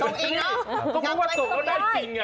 ในการสดแล้วได้จริง